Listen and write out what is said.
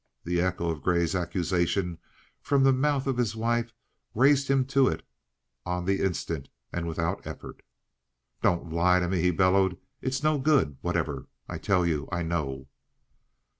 The echo of Grey's accusation from the mouth of his wife raised him to it on the instant and without an effort. "Don't lie to me!" he bellowed. "It's no good whatever! I tell you, I know!"